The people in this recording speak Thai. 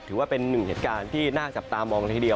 ถือว่าเป็นหนึ่งเหตุการณ์ที่น่าจับตามองเลยทีเดียว